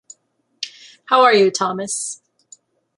How are you, Thomas?